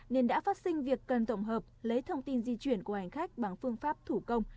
nên đã phát sinh việc cần tổng hợp lấy thông tin di chuyển của hành khách bằng phương pháp thủ công